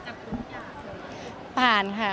สวัสดีคุณครับสวัสดีคุณครับ